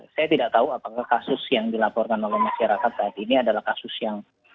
saya tidak tahu apakah kasus yang dilaporkan oleh masyarakat saat ini adalah kasus yang